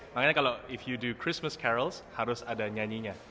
makanya kalau kalau kamu melakukan christmas carol harus ada nyanyinya